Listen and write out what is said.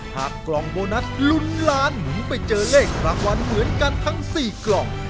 กล่องโบนัสลุ้นล้านหมุนไปเจอเลขรางวัลเหมือนกันทั้ง๔กล่อง